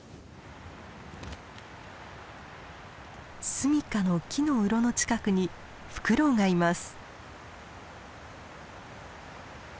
住みかの木のうろの近くにフクロウがいます。